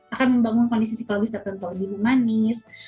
akan membangun kondisi psikologis tertentu lebih humanis